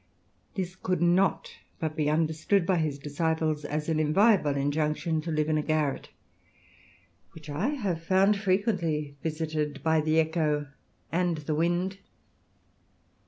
This could not but be understood by his disciples as an inviolable injunction to live in a garret, which I have found frequently visited by the echo and the wind.